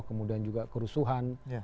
kemudian juga kerusuhan